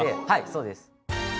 はいそうです。